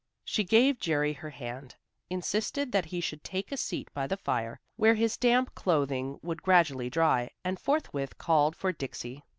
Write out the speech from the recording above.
She gave Jerry her hand, insisted that he should take a seat by the fire, where his damp clothing would gradually dry, and forthwith called for "Dixie."